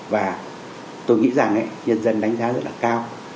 và tôi nghĩ rằng nhân dân đánh giá rất là cao